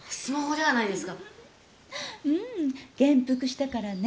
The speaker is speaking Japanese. うん元服したからね。